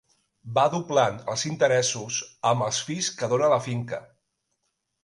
Va doblant els interessos amb els fills que dóna la finca